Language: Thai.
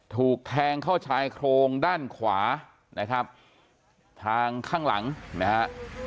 ถูกแทงเข้าชายโครงด้านขวานะครับทางข้างหลังนะฮะ